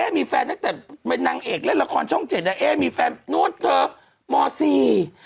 เอ๊มีแฟนนักแต่นางเอกเล่นละครช่องเจ็ดเอ๊มีแฟนนู้นเธอมสี่